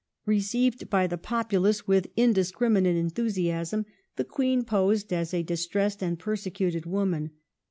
Received by the populace with indiscriminate enthusiasm, the Queen posed as a distressed and persecuted woman.